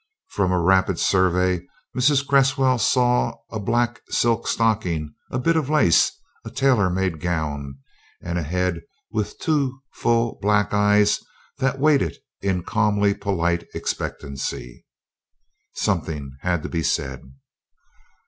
From a rapid survey, Mrs. Cresswell saw a black silk stocking, a bit of lace, a tailor made gown, and a head with two full black eyes that waited in calmly polite expectancy. Something had to be said.